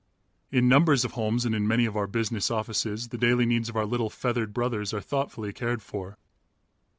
In numbers of homes and in many of our business offices the daily needs of our little feathered brothers are thoughtfully cared for.